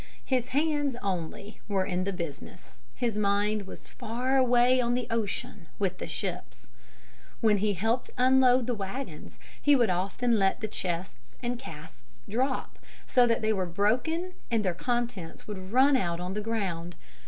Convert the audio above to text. His hands, only, were in the business, his mind was far away on the ocean with the ships. When he helped unload the wagons, he would often let the chests and casks drop, so that they were broken and their contents would run out on the ground.